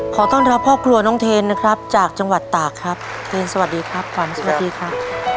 ขอต้อนรับครอบครัวน้องเทนนะครับจากจังหวัดตากครับเทนสวัสดีครับขวัญสวัสดีครับ